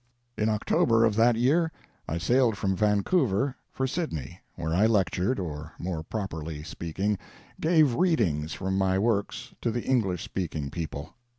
In October of that year I sailed from Vancouver for Sydney, where I lectured, or, more properly speaking, gave readings from my works to the English speaking people.